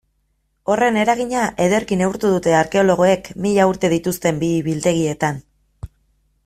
Horren eragina ederki neurtu dute arkeologoek mila urte dituzten bihi-biltegietan.